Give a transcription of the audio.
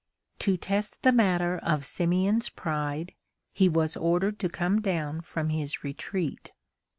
To test the matter of Simeon's pride, he was ordered to come down from his retreat.